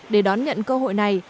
để đón nhận cơ hội này